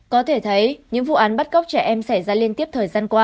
có thể thấy những vụ án bắt cóc trẻ em xảy ra liên tiếp thời gian qua